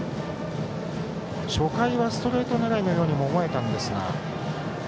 初回はストレート狙いのようにも思えましたが。